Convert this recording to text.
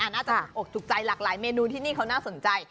น่าจะถูกอกถูกใจหลากหลายเมนูที่นี่เขาน่าสนใจ